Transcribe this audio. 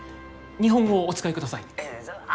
日本語をお使いください。